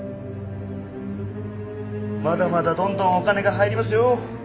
まだまだどんどんお金が入りますよ。